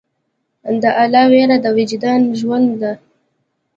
د الله ویره د وجدان ژوند ده.